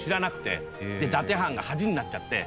伊達藩が恥になっちゃって。